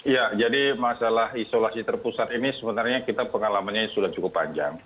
ya jadi masalah isolasi terpusat ini sebenarnya kita pengalamannya sudah cukup panjang